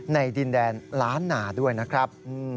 ดินแดนล้านนาด้วยนะครับ